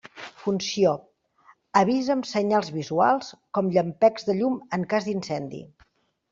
Funció: avisa amb senyals visuals, com llampecs de llum en cas d'incendi.